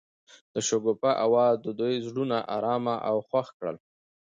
د شګوفه اواز د دوی زړونه ارامه او خوښ کړل.